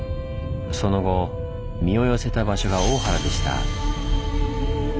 その後身を寄せた場所が大原でした。